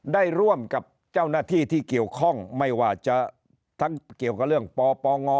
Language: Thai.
ได้ร่วมกับเจ้าหน้าที่ที่เกี่ยวข้องไม่ว่าจะทั้งเกี่ยวกับเรื่องปปง